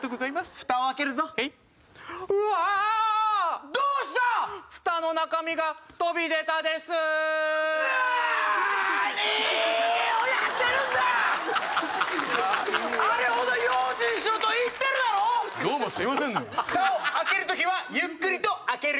フタを開ける時はゆっくりと開ける。